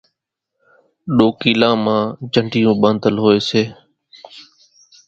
زين ڏوڪيلان مان جنڍيون ٻاندل ھوئي سي